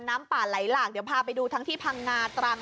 น้ำป่าไหลหลากเดี๋ยวพาไปดูทั้งที่พังงาตรัง